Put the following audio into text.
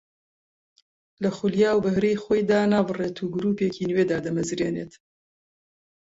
لە خولیا و بەهرەی خۆی دانابڕێت و گرووپێکی نوێ دادەمەژرێنێت